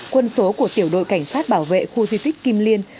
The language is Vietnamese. quân số của tiểu đội cảnh sát bảo vệ khu di tích kim liên